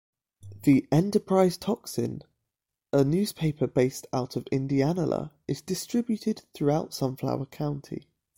"The Enterprise-Tocsin", a newspaper based out of Indianola, is distributed throughout Sunflower County.